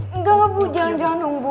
enggak bu jangan jangan dong bu